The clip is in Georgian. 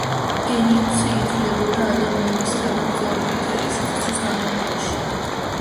გენიუსი ითვლებოდა ადამიანის თანამგზავრად მთელი სიცოცხლის განმავლობაში.